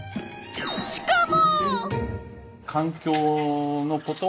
しかも！